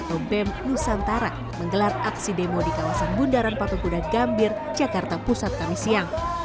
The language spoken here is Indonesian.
atau bem nusantara menggelar aksi demo di kawasan bundaran patung kuda gambir jakarta pusat kami siang